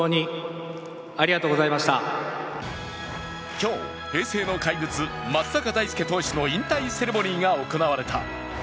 今日、平成の怪物松坂大輔投手の引退セレモニーが行われた。